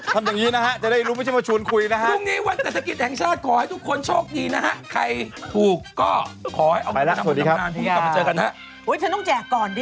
ทำอย่างนี้นะฮะ